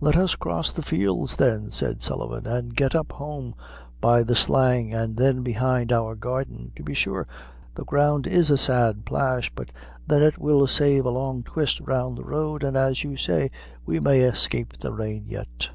"Let us cross the fields, then," said Sullivan, "an' get up home by the Slang, an' then behind our garden: to be sure, the ground is in a sad plash, but then it will save a long twist round the road, an' as you say, we may escape the rain yet."